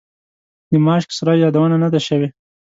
د ماشک سرای یادونه نه ده شوې.